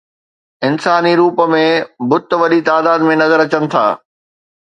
انساني روپ ۾ بت وڏي تعداد ۾ نظر اچن ٿا